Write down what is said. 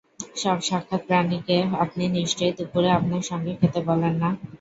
সব সাক্ষাৎপ্রাথীকে আপনি নিশ্চয়ই দুপুরে আপনার সঙ্গে খেতে বলেন না?